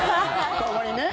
ここにね。